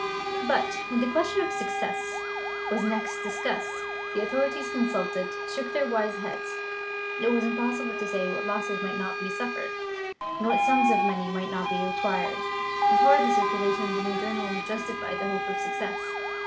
But, when the question of success was next discussed, the authorities consulted shook their wise heads. It was impossible to say what losses might not be suffered, and what sums of money might not be required, before the circulation of the new journal would justify the hope of success.